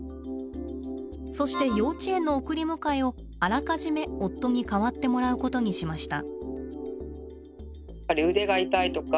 そして幼稚園の送り迎えをあらかじめ夫に代わってもらうことにしました。